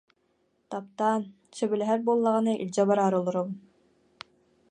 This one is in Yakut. Таптаан, сөбүлэһэр буоллаҕына илдьэ бараары олоробун